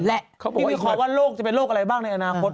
ที่มีขอว่าโรคจะเป็นโรคอะไรบ้างในอนาคต